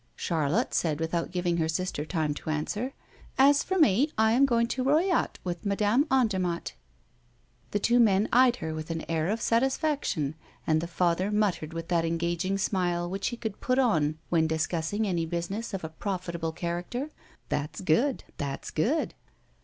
Charlotte said without giving her sister time to answer: "As for me, I am going to Royat with Madame Andermatt." The two men eyed her with an air of satisfaction; and the father muttered with that engaging smile which he could put on when discussing any business of a profitable character: "That's good! that's good!"